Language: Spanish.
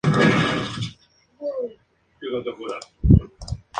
Su fama creció a medida que contribuyó en otros lugares conocidos a nivel nacional.